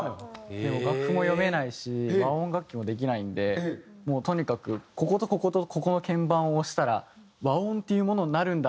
でも楽譜も読めないし和音楽器もできないんでもうとにかくこことこことここの鍵盤を押したら和音というものになるんだ。